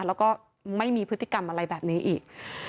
แล้วก็ไม่มีพฤติกรรมอะไรแบบนี้อีก